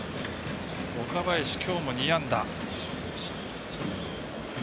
岡林、きょうも２安打。